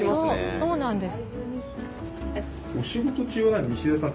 そうなんです。